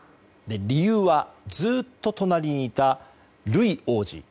理由は、ずっと隣にいたルイ王子。